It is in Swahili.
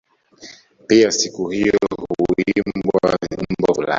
Pia siku hiyo huimbwa nyimbo fulani